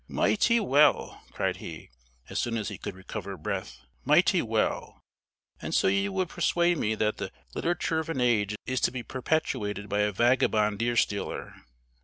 "Mighty well!" cried he, as soon as he could recover breath, "mighty well! and so you would persuade me that the literature of an age is to be perpetuated by a vagabond deer stealer!